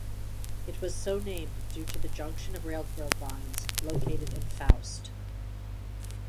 It was so named due to the junction of railroad lines located in Faust.